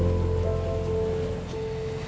saya tuh cuma gak habis pikir ya pak ya